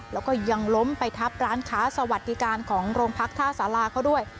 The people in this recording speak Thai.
แล้วก็ยังล้มไปทับร้านค้าสวัสดิการของโรงพักท่าสาราเขาด้วย